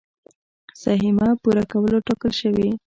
سهميه پوره کولو ټاکل شوي.